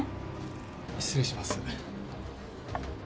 失礼します。